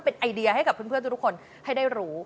เป็นไอเดียให้กับเพื่อนทุกคนให้ได้รู้